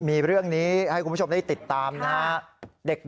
มีเรื่องนี้ให้คุณผู้ชมได้ติดตามนะครับ